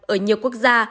ở nhiều quốc gia